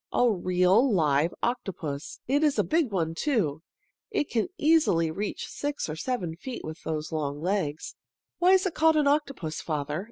A real, live octopus! It is a big one, too. It can easily reach six or seven feet with those long legs." "Why is it called an octopus, father?"